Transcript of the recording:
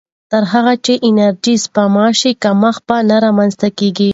تر هغه چې انرژي سپما شي، کمښت به رامنځته نه شي.